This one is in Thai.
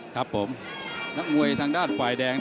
ครับผมนักมวยทางด้านฝ่ายแดง